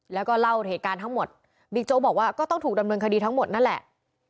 แล้วก็เล่าเหตุการณ์ทั้งหมดบิ๊กโจ๊กบอกว่าก็ต้องถูกดำเนินคดีทั้งหมดนั่นแหละ